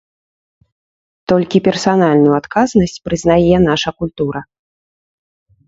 Толькі персанальную адказнасць прызнае наша культура.